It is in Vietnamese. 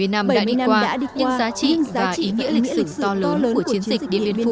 bảy mươi năm đã đi qua những giá trị và ý nghĩa lịch sử to lớn của chiến dịch điện biên phủ